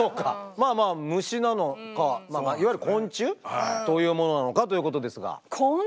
まあまあ虫なのかいわゆる昆虫というものなのかということですが。